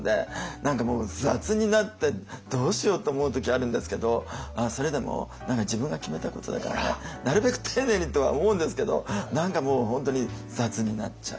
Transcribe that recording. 何かもう雑になってどうしようって思う時あるんですけどそれでも何か自分が決めたことだからねなるべく丁寧にとは思うんですけど何かもう本当に雑になっちゃう。